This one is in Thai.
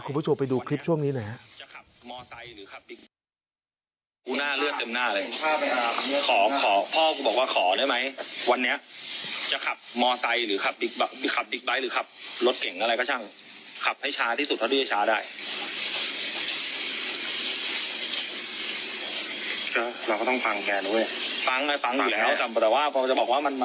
คุณผู้ชมไปดูคลิปช่วงนี้หน่อยครับ